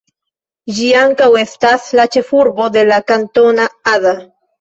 Ĝi ankaŭ estas la ĉefurbo de la Kantono Ada.